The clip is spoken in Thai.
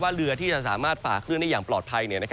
เรือที่จะสามารถฝ่าคลื่นได้อย่างปลอดภัย